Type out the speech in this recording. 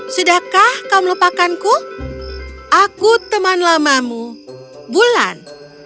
sudahkah kau melupakanku aku teman lamamu bulan